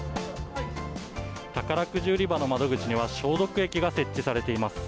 宝くじ売り場の窓口には、消毒液が設置されています。